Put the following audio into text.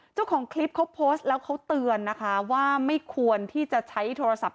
เจ้าของคลิปเขาโพสต์แล้วเขาเตือนนะคะว่าไม่ควรที่จะใช้โทรศัพท์